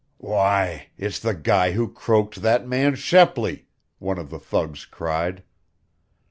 "Why, it's the guy who croaked that man Shepley!" one of the thugs cried.